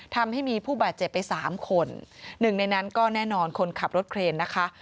ทำให้มีผู้บาดเจ็บไปสามคนหนึ่งในนั้นก็แน่นอนคนขับรถเครนนะคะ